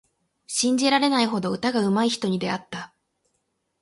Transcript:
信じられないほど歌がうまい人に出会った。